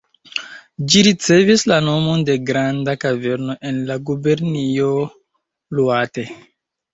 Ĝi ricevis la nomon de granda kaverno en la gubernio Iŭate.